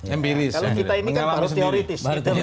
kalau kita ini kan harus teoritis